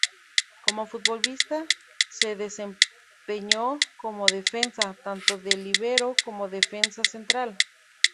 Como futbolista se desempeñó como defensa, tanto de líbero como defensa central.